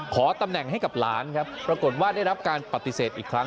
ขอตำแหน่งให้กับหลานครับปรากฏว่าได้รับการปฏิเสธอีกครั้ง